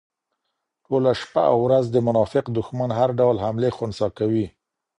ټوله شپه او ورځ د منافق دښمن هر ډول حملې خنثی کوي